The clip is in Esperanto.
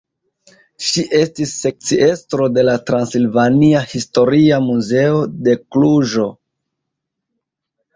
Ŝi estis sekciestro de la Transilvania Historia Muzeo de Kluĵo.